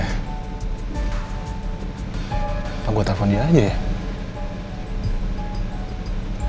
apa gue telpon dia aja ya